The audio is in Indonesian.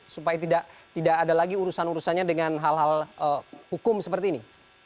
supaya tidak ada lagi urusan urusannya dengan hal hal hukum seperti ini